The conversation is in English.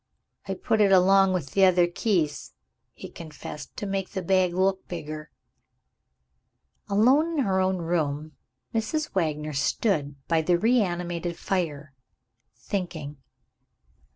"I put it along with the other keys," he confessed, "to make the bag look bigger." Alone again in her own room, Mrs. Wagner stood by the reanimated fire, thinking.